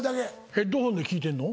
ヘッドホンで聞いてるの？